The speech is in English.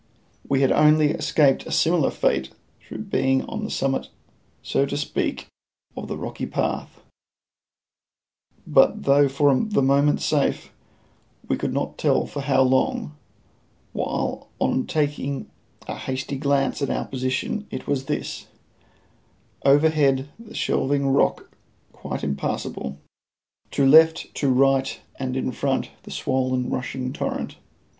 We had only escaped a similar fate through being on the summit, so to speak, of the rocky path; but though for the moment safe, we could not tell for how long; while on taking a hasty glance at our position it was this: overhead the shelving rock quite impassable; to left, to right, and in front, the swollen, rushing torrent.